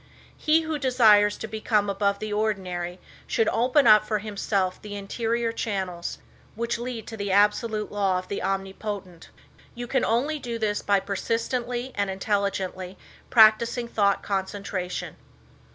He who desires to become above the ordinary should open up for himself the interior channels which lead to the absolute law of the omnipotent. You can only do this by persistently and intelligently practicing thought concentration.